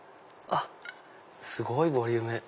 すごいボリューム。